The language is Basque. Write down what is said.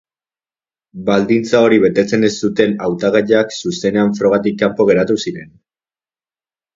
Baldintza hori betetzen ez zuten hautagaiak zuzenean frogatik kanpo geratu ziren.